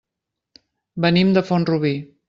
Venim de Font-rubí.